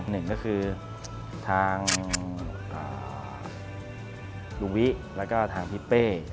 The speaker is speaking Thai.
หนึ่งก็คือทางลุงวิแล้วก็ทางพี่เป้